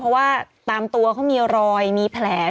เพราะว่าตามตัวเขามีรอยมีแผล